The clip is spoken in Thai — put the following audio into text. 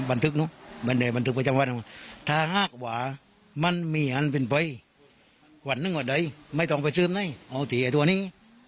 บอกว่ามันมีอันเป็นไปวันนึงหอดได้ไม่ต้องไปซื้อไหมแบบนั้นเลย